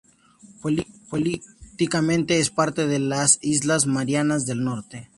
Políticamente es parte de las islas Marianas del Norte.